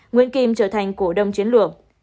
nguyễn kim trở thành cổ đông chiến lược